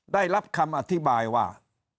ได้รับคำอธิบายว่า